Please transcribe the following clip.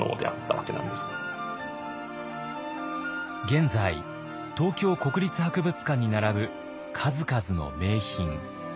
現在東京国立博物館に並ぶ数々の名品。